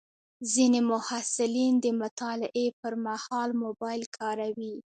ځینې محصلین د مطالعې پر مهال موبایل کاروي.